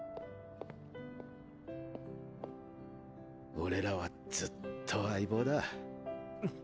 俺らはずっと相棒だ。っ！